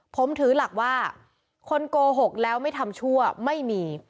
ผมถือหลักว่าคนโกหกแล้วไม่ทำชั่วไม่มี